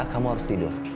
kamu harus tidur